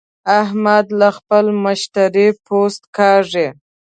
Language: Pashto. احمد له خپله مشتري پوست کاږي.